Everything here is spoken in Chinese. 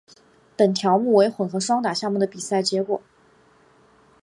本条目为混合双打项目的比赛结果。